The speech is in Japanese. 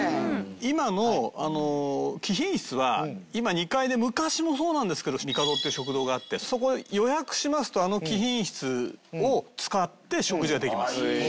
今の貴賓室は今２階で昔もそうなんですけど「みかど」って食堂があってそこを予約しますとあの貴賓室を使って食事ができます。